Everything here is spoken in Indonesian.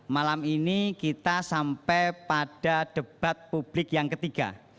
malam ini kita sampai pada debat publik yang ketiga